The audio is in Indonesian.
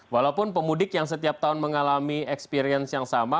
walaupun pemudik yang setiap tahun mengalami experience yang sama